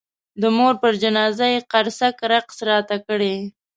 د مور پر جنازه یې قرصک رقص راته کړی.